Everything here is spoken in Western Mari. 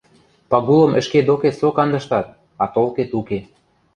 — Пагулым ӹшке докет со кандыштат, а толкет уке.